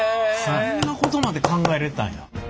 そんなことまで考えられてたんや。